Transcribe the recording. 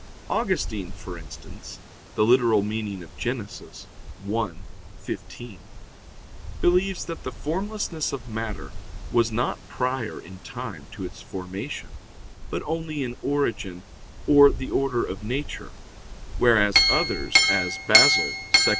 Augustine for instance (Gen. ad lit. i, 15), believes that the formlessness of matter was not prior in time to its formation, but only in origin or the order of nature, whereas others, as Basil (Hom.